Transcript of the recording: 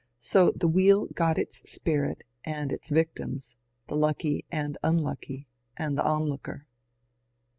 So the wheel got its Spirit, and its victims — the lucky, and unlucky, and the onlooker.